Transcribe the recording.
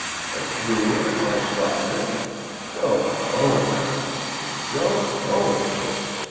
A duel in my garden. Go home, gentlemen, go home.